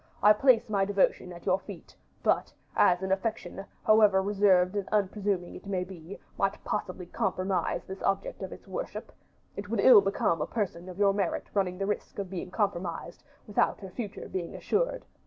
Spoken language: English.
I place my devotion at your feet; but, as an affection, however reserved and unpresuming it may be, might possibly compromise the object of its worship, it would ill become a person of your merit running the risk of being compromised, without her future being assured.